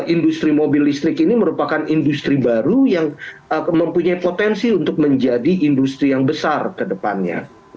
industri mobil listrik ini merupakan industri baru yang mempunyai potensi untuk menjadi industri yang besar ke depannya